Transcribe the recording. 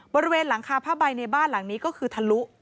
บริเวณหลังคาผ้าใบในบ้านหลังนี้ก็คือทะลุ